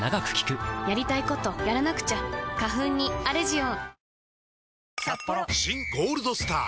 「ワンダ」「新ゴールドスター」！